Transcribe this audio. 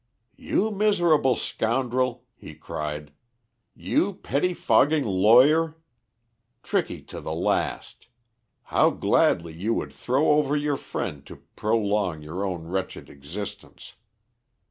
"You miserable scoundrel!" he cried. "You pettifogging lawyer tricky to the last! How gladly you would throw over your friend to prolong your own wretched existence!